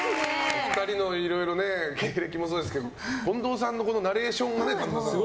お二人のいろいろ経歴もそうですけど近藤さんのナレーションもね。